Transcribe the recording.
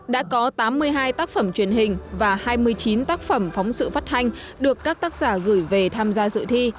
đã có tám mươi hai tác phẩm truyền hình và hai mươi chín tác phẩm phóng sự phát hành được các tác giả gửi về tham gia dự thi